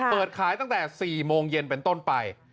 เปิดขายตั้งแต่๔โมงเย็นเป็นต้นไป